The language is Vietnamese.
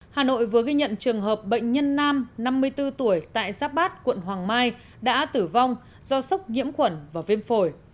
hà nội vừa ghi nhận trường hợp bệnh nhân nam năm mươi bốn tuổi tại giáp bát quận hoàng mai đã tử vong do sốc nhiễm khuẩn và viêm phổi